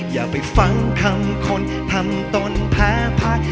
อย่าไปฟังคำคนทำตนแพ้พัก